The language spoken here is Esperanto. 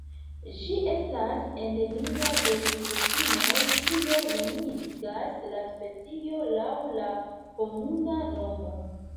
Ĝi estas endemia de Filipinoj, kio nomigas la specion laŭ la komuna nomo.